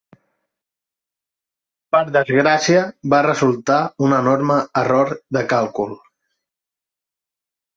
Per desgràcia va resultar un enorme error de càlcul.